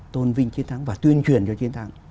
tôn vinh chiến thắng và tuyên truyền cho chiến thắng